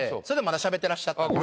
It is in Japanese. それでもまだしゃべってらっしゃった。